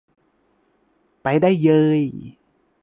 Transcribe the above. ไปได้เยย